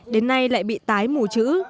đến nay lại bị tái mù chữ